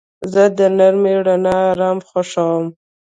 زه د نرمې رڼا آرام خوښوم.